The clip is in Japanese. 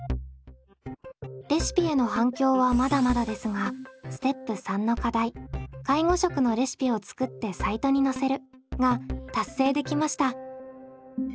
レシピへの反響はまだまだですがステップ３の課題介護食のレシピを作ってサイトにのせるが達成できました。